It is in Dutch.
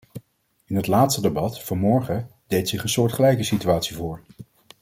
In het laatste debat, vanmorgen, deed zich een soortgelijke situatie voor.